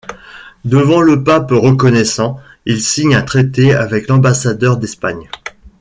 Devant le pape reconnaissant, il signe un traité avec l'ambassadeur d'Espagne.